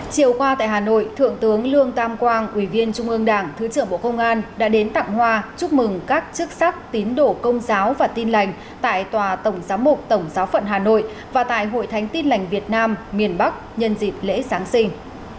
chiều qua tại hà nội thượng tướng lương tam quang ủy viên trung ương đảng thứ trưởng bộ công an đã đến tặng hoa chúc mừng các chức sắc tín đổ công giáo và tin lành tại tòa tổng giám mục tổng giáo phận hà nội và tại hội thánh tin lành việt nam miền bắc nhân dịp lễ giáng sinh